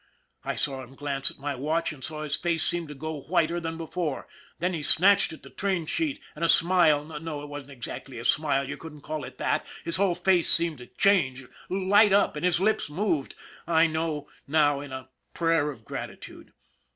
I saw him glance at my watch and his face seemed to go whiter than before, then he snatched at the train sheet and a smile no, it wasn't exactly a smile, you couldn't call it that, his whole face seemed to change, light up, and his lips moved I know now in a prayer of gratitude.